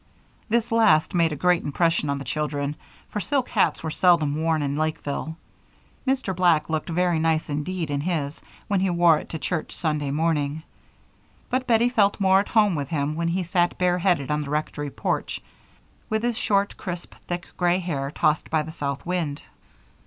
This last made a great impression on the children, for silk hats were seldom worn in Lakeville. Mr. Black looked very nice indeed in his, when he wore it to church Sunday morning, but Bettie felt more at home with him when he sat bareheaded on the rectory porch, with his short, crisp, thick gray hair tossed by the south wind.